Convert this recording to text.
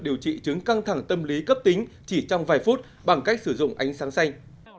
điều trị chứng căng thẳng tâm lý cấp tính chỉ trong vài phút bằng cách sử dụng ánh sáng xanh